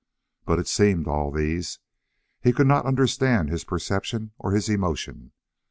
But it seemed all these. He could not understand his perception or his emotion.